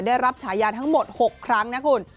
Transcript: ได้รับฉายาทั้งหมด๖ครั้งนะคุณ